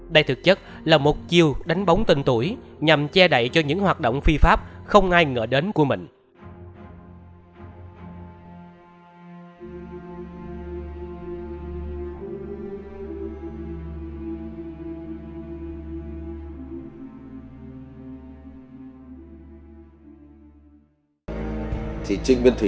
đây thực chất là một chiều đánh bóng tên tuổi nhằm che đậy cho những hoạt động phi pháp không ai ngờ đến của mình